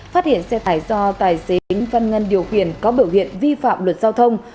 phát hiện xe tải do tài xế văn ngân điều khiển có biểu hiện vi phạm luật giao thông